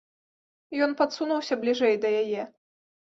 Ён падсунуўся бліжэй да яе.